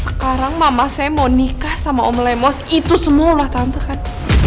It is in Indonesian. sekarang mama saya mau nikah sama om lemos itu semualah tante kan